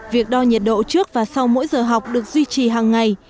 việc đo nhiệt độ trước và sau mỗi giờ học được duy trì hàng ngày